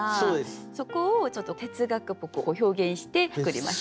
そこをちょっと哲学っぽく表現して作りました。